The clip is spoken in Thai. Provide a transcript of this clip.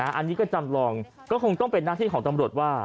อันนี้ก็จำลองก็คงต้องเป็นหน้าที่ของตำรวจว่า